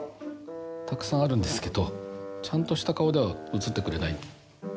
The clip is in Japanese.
たくさんあるんですけどちゃんとした顔では写ってくれない。